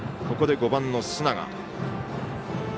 ここで５番の須永。